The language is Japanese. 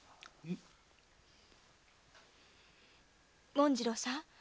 紋次郎さん